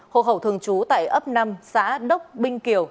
hồ hậu thường chú tại ấp năm xã đốc binh kiều